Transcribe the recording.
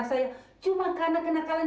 kamu mau tahu soalnya kan